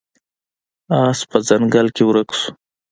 اس په ځنګل کې ورک شو.